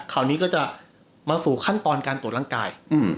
คราวนี้ก็จะมาสู่ขั้นตอนการตรวจร่างกาย